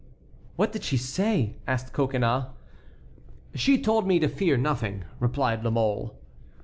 "What did she say?" asked Coconnas. "She told me to fear nothing," replied La Mole.